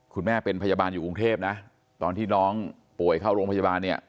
คุณแม่เป็นพยาบาลอยู่กรุงเทพนะตอนที่น้องป่วยเข้าโรงพยาบาลเนี่ย